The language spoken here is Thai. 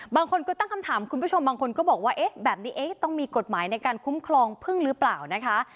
บางคนก็ตั้งคำถามคุณผู้ชมบางคนก็บอกว่าเอ๊ะแบบนี้ต้องมีกฎหมายในการคุ้มครองพึ่งหรือเปล่านะคะ